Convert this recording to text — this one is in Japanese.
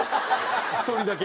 １人だけ！